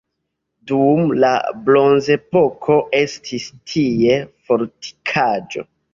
Dum la bronzepoko estis tie fortikaĵo.